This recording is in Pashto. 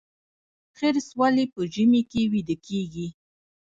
خرس ولې په ژمي کې ویده کیږي؟